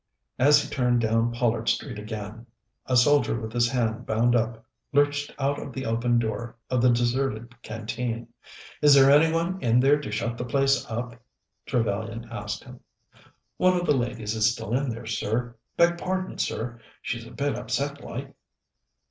As he turned down Pollard Street again, a soldier with his hand bound up lurched out of the open door of the deserted Canteen. "Is there any one in there to shut the place up?" Trevellyan asked him. "One of the ladies is still in there, sir. Beg pardon, sir; she's a bit upset like."